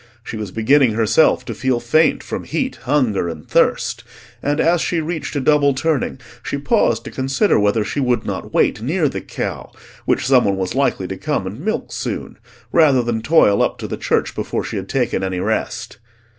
She was beginning herself to feel faint from heat, hunger, and thirst, and as she reached a double turning, she paused to consider whether she would not wait near the cow, which some one was likely to come and milk soon, rather than toil up to the church before she had taken any rest.